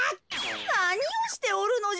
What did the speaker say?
なにをしておるのじゃ。